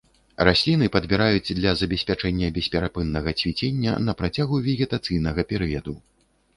Расліны падбіраюць для забеспячэння бесперапыннага цвіцення на працягу вегетацыйнага перыяду.